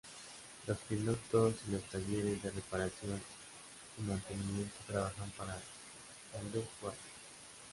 Los pilotos y los talleres de reparación y mantenimiento trabajan para la Luftwaffe.